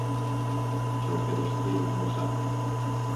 Choque de estilos no Sar.